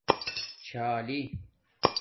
چھالی